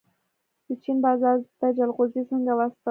د چین بازار ته جلغوزي څنګه واستوم؟